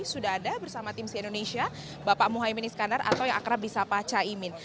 sudah ada bersama tim si indonesia bapak muhaymin iskandar atau yang akrab bisa pak caimin